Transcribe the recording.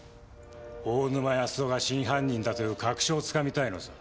大沼安雄が真犯人だという確証をつかみたいのさ。